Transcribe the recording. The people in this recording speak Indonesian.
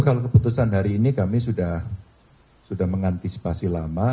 kalau keputusan hari ini kami sudah mengantisipasi lama